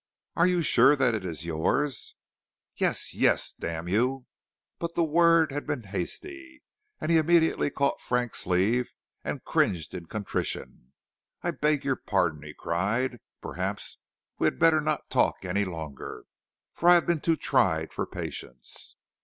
"Are you sure that it is yours?" "Yes, yes, damn you!" But the word had been hasty, and he immediately caught Frank's sleeve and cringed in contrition. "I beg your pardon," he cried, "perhaps we had better not talk any longer, for I have been too tried for patience.